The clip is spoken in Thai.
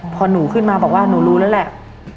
พอหนูขึ้นมาบอกว่าหนูรู้แล้วแหละ